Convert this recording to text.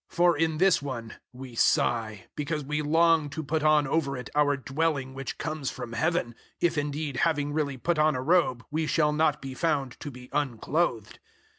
005:002 For in this one we sigh, because we long to put on over it our dwelling which comes from Heaven 005:003 if indeed having really put on a robe we shall not be found to be unclothed.